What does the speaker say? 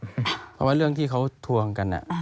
เพราะว่าเรื่องที่เขาทวงกัน